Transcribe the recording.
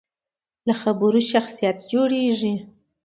له خبرو شخصیت جوړېږي.